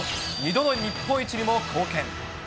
２度の日本一にも貢献。